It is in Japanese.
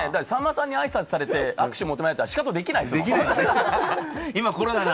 さんまさんに挨拶されて、握手を求められたら、しかとできないですもん。